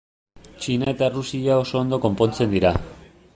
Txina eta Errusia oso ondo konpontzen dira.